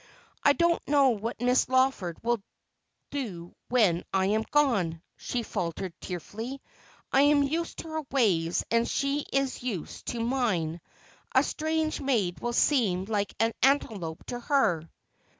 ' I don't know what Miss Lawford will do when I'm gone,' she faltered tearfully ;' I'm used to her ways, and she s used to mine. A strange maid will seem like an antelope to her.'